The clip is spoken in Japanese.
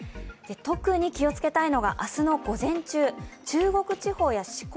特に気をつけたいのが明日の午前中、中国地方や四国